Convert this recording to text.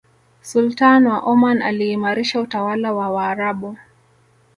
sultan wa oman aliimarisha utawala wa waarabu